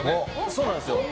そうなんですよ。